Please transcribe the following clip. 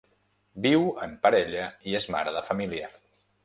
Viu en parella i és mare de família.